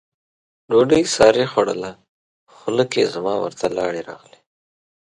ډوډۍ سارې خوړله، خوله کې زما ورته لاړې راغلې.